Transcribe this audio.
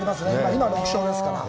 今、６勝ですから。